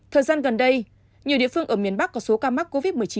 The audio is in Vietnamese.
thời gian gần đây nhiều địa phương ở miền bắc có số ca mắc covid một mươi chín